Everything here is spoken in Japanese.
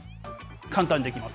簡単にできます。